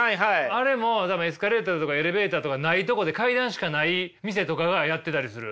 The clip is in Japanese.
あれも多分エスカレーターとかエレベーターとかないとこで階段しかない店とかがやってたりする。